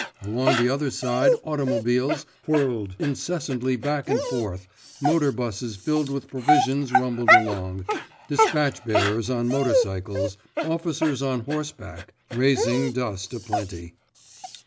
Along the other side automobiles whirled incessantly back and forth, motor busses filled with provisions rumbled along, dispatch bearers on motorcycles, officers on horseback—raising dust a plenty.